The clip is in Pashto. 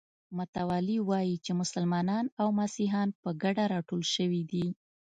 متوالي وایي چې مسلمانان او مسیحیان په ګډه راټول شوي دي.